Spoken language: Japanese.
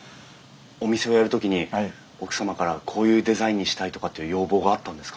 お店をやる時に奥様からこういうデザインにしたいとかっていう要望があったんですか？